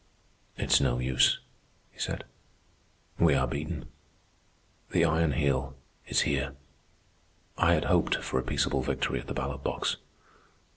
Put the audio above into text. "It's no use," he said. "We are beaten. The Iron Heel is here. I had hoped for a peaceable victory at the ballot box.